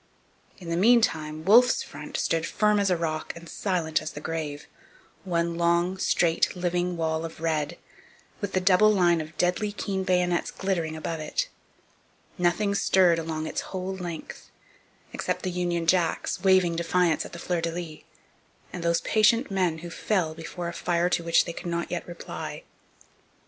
In the meantime Wolfe's front stood firm as a rock and silent as the grave, one long, straight, living wall of red, with the double line of deadly keen bayonets glittering above it. Nothing stirred along its whole length, except the Union Jacks, waving defiance at the fleurs de lis, and those patient men who fell before a fire to which they could not yet reply.